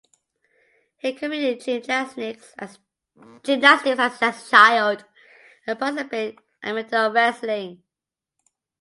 He competed in gymnastics as a child, and participated in amateur wrestling.